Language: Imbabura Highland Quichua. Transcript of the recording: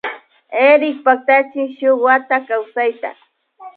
Erik paktachin shun wata kawsayta